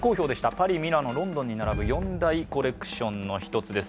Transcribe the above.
パリ、ミラノ、ロンドンに並ぶ４大コレクションの一つです